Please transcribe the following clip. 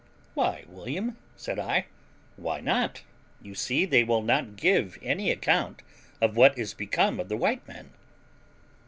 "Why, William," said I, "why not? You see they will not give any account of what is become of the white men."